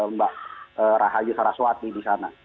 mbak rahayu saraswati di sana